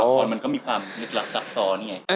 แต่ตัวละครมันก็มีความนึกหลักซักซ้อนไง